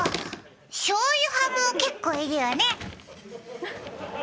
しょうゆ派も結構いるよね。